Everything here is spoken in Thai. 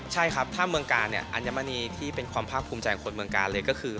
ใช่ครับอย่างเมืองการที่เป็นความภาคภูมิใจของคนเมืองการเลยคือ